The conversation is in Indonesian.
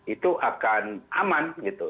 itu akan aman